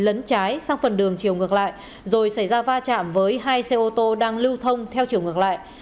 lấn trái sang phần đường chiều ngược lại rồi xảy ra va chạm với hai xe ô tô đang lưu thông theo chiều ngược lại